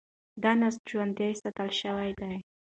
دا نسج ژوندي ساتل شوی دی.